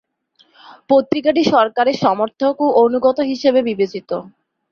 পত্রিকাটি সরকারের সমর্থক ও অনুগত হিসাবে বিবেচিত।